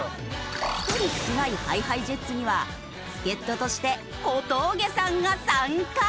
１人少ないＨｉＨｉＪｅｔｓには助っ人として小峠さんが参加。